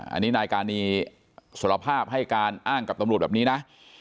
อันนี้นายกานีสารภาพให้การอ้างกับตำรวจแบบนี้นะ